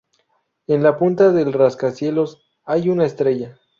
En la punta del rascacielos hay una estrella.